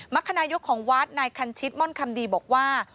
รรคนายกของวัดนายคันชิตม่อนคำดีบอกว่า